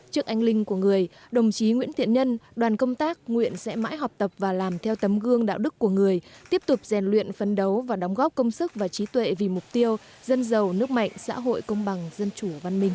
trước anh linh của người đồng chí nguyễn thiện nhân đoàn công tác nguyện sẽ mãi học tập và làm theo tấm gương đạo đức của người tiếp tục rèn luyện phấn đấu và đóng góp công sức và trí tuệ vì mục tiêu dân giàu nước mạnh xã hội công bằng dân chủ văn minh